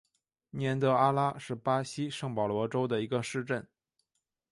年德阿拉是巴西圣保罗州的一个市镇。